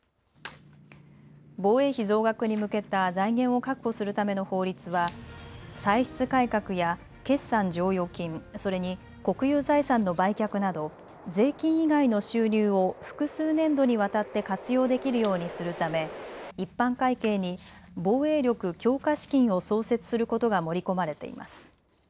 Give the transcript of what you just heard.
防衛費増額に向けた財源を確保するための法律は歳出改革や決算剰余金、それに国有財産の売却など税金以外の収入を複数年度にわたって活用できるようにするため一般会計に防衛力強化資金を創設することが盛り込まれています。